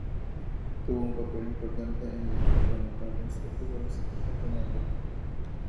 Tuvo un papel importante en el equipo, anotando siete goles en el campeonato.